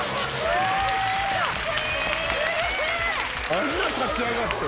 あんな立ち上がって？